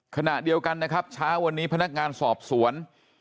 ขณะเดียวกันนะครับเช้าวันนี้พนักงานสอบสวน